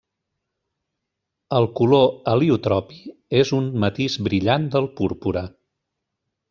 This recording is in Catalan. El color heliotropi és un matís brillant del púrpura.